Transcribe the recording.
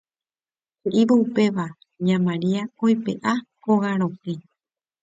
he'ívo upéva ña Maria oipe'a hóga rokẽ